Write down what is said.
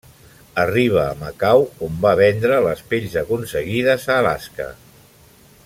Arriba a Macau on va vendre les pells aconseguides a Alaska.